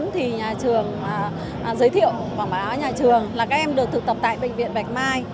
nhà trường giới thiệu bằng báo nhà trường là các em được thực tập tại bệnh viện bạch mai